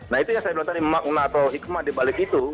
nah itu yang saya bilang tadi makung atau hikmah dibalik itu